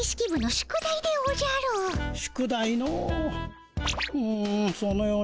宿題のう。